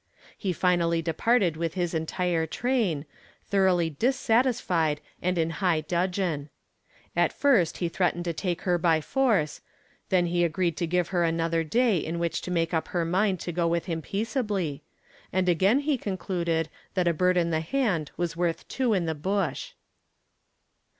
He finally departed with his entire train, thoroughly dissatisfied and in high dudgeon. At first he threatened to take her by force; then he agreed to give her another day in which to make up her mind to go with him peaceably, and again he concluded that a bird in the hand was worth two in the bush.